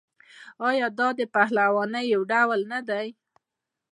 آیا دا د پهلوانۍ یو ډول نه دی؟